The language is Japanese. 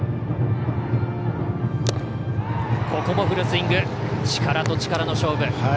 フルスイング、力と力の勝負。